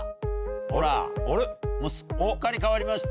ほらもうすっかり変わりました。